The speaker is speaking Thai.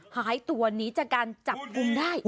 หายตัวหนีจากการจับกลุ่มได้